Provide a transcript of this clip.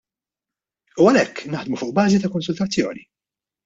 U għalhekk naħdmu fuq bażi ta' konsultazzjoni.